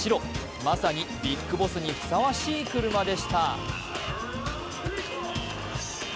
まさにビッグボスにふさわしい車でした。